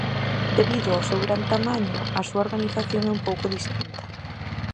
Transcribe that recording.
Debido ao seu gran tamaño a súa organización é un pouco distinta.